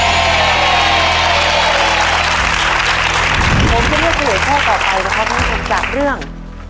นี่คือจากเรื่อง